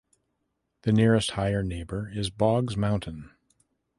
The nearest higher neighbor is Boggs Mountain.